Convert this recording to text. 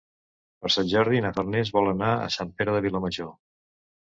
Per Sant Jordi na Farners vol anar a Sant Pere de Vilamajor.